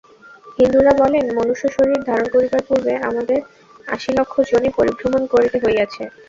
হিন্দুরা বলেন, মনুষ্য-শরীর ধারণ করিবার পূর্বে আমাদের আশিলক্ষ যোনি পরিভ্রমণ করিতে হইয়াছে।